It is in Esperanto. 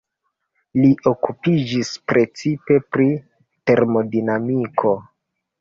Li okupiĝis precipe pri termodinamiko.